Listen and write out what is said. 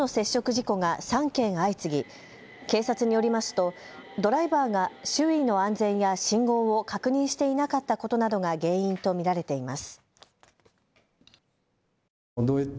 事故が３件相次ぎ警察によりますとドライバーが周囲の安全や信号を確認していなかったことなどが原因と見られています。